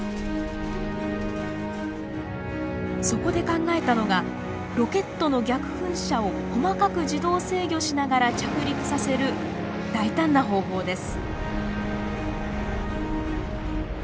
そこで考えたのがロケットの逆噴射を細かく自動制御しながら着陸させる大胆な方法です。